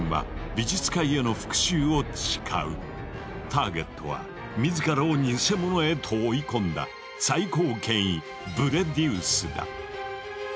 ターゲットは自らをニセモノへと追い込んだ最高権威ブレディウスだ。